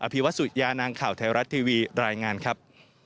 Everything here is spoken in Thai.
ภิวัตสุยานางข่าวไทยรัฐทีวีรายงานครับ